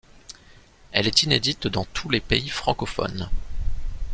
Elle est inédite dans tous les pays francophones.